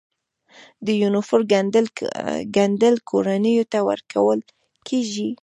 د یونیفورم ګنډل کورنیو ته ورکول کیږي؟